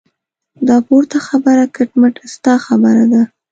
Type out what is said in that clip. دا پورته خبره کټ مټ ستا خبره ده.